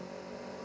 nggak ada pakarnya